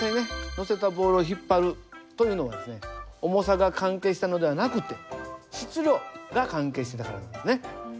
乗せたボールを引っ張るというのはですね「重さ」が関係したのではなくて「質量」が関係してたからなんですね。